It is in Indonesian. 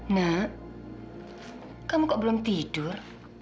nak kamu kok belum tidur